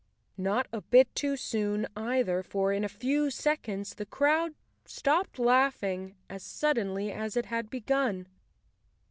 Not a bit too soon, either, for in a few seconds the crowd stopped laughing as sud¬ denly as it had begun.